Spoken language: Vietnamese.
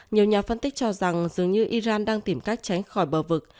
nhiều nhà phân tích cho rằng dường như iran đang tìm cách tránh khỏi bờ vực